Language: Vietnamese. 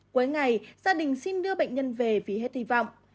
cuối ngày gia đình xin đưa bệnh nhân về vì hết hy vọng